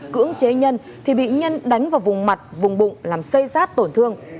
cưỡng chế nhân thì bị nhân đánh vào vùng mặt vùng bụng làm xây rát tổn thương